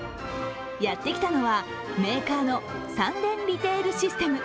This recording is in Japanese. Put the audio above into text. やってきたのは、メーカーのサンデン・リテールシステム。